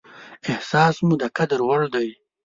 احساس مو د قدر وړ دى.